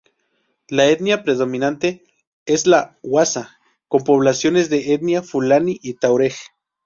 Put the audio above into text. La etnia predominante es la hausa, con poblaciones de etnia fulani y tuareg.